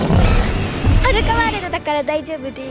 ハルカワールドだから大丈夫です。